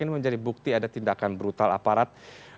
ini menjadi bukti ada tindakan brutal aparat